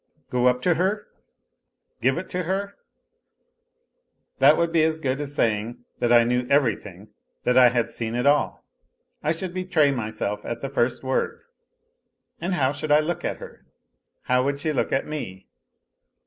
Go up to her, give it her ? That would be as good as saying that I knew everything, that I had seen it all. I should betray myself at the first word. And how should I look, at her ? How would she look at me.